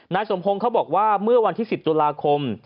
สมพงศ์เขาบอกว่าเมื่อวันที่๑๐ตุลาคม